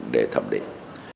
để thẩm định